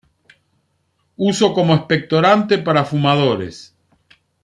Uso como expectorante para fumadores.